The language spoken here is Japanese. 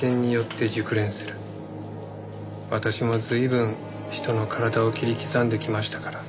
私も随分人の体を切り刻んできましたから。